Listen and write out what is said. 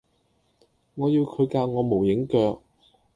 我要佢教我無影腳